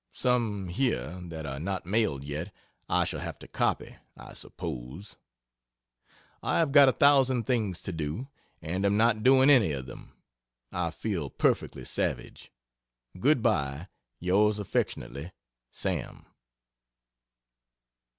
Some, here, that are not mailed yet, I shall have to copy, I suppose. I have got a thousand things to do, and am not doing any of them. I feel perfectly savage. Good bye Yrs aff SAM.